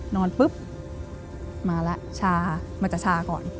นอนปุ๊บมาแล้วชามันจะชาก่อน